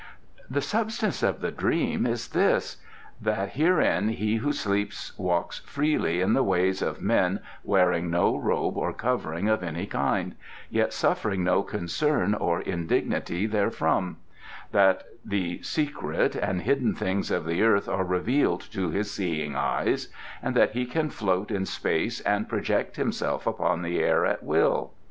'" "The substance of the dream is this: that herein he who sleeps walks freely in the ways of men wearing no robe or covering of any kind, yet suffering no concern or indignity therefrom; that the secret and hidden things of the earth are revealed to his seeing eyes; and that he can float in space and project himself upon the air at will.